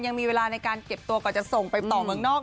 ยังมีเวลาในการเก็บตัวก่อนจะส่งไปต่อเมืองนอก